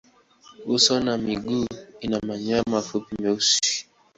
Uso na miguu ina manyoya mafupi meusi.